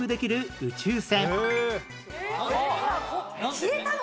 消えたの？